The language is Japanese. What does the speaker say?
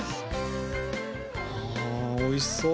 あおいしそう。